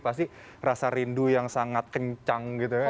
pasti rasa rindu yang sangat kencang gitu ya